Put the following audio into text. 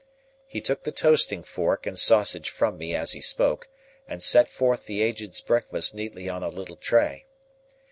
He took the toasting fork and sausage from me as he spoke, and set forth the Aged's breakfast neatly on a little tray.